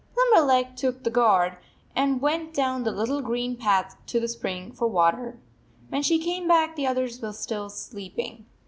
Limberleg took the gourd and went down the little green path to the spring for water. When she came back, the others were still sleeping.